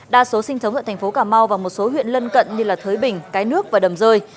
đa số sinh sống ở thành phố cà mau và một số huyện lân cận như thới bình cái nước và đầm rơi